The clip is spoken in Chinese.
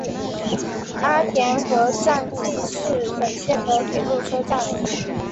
阿田和站纪势本线的铁路车站。